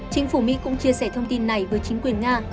chính phủ mỹ cũng chia sẻ thông tin này với chính quyền nga